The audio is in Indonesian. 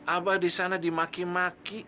abah disana dimaki maki